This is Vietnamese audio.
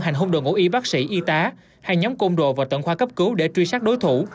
hành hôn đội ngũ y bác sĩ y tá hay nhóm công đội vào tận khoa cấp cứu để truy sát đối thủ